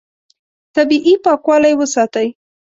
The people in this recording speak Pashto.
طبیعي پاکوالی وساتئ.